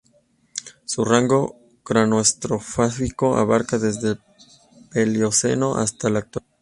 Su rango cronoestratigráfico abarca desde el Paleoceno hasta la actualidad.